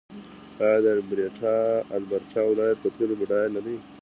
آیا د البرټا ولایت په تیلو بډایه نه دی؟